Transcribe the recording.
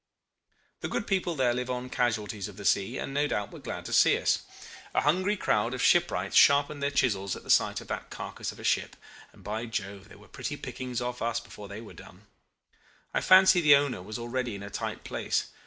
"The good people there live on casualties of the sea, and no doubt were glad to see us. A hungry crowd of shipwrights sharpened their chisels at the sight of that carcass of a ship. And, by Jove! they had pretty pickings off us before they were done. I fancy the owner was already in a tight place.